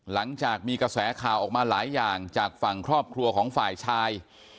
หลังจากมีกระแสข่าวออกมาหลายอย่างจากฝั่งครอบครัวของฝ่ายชาย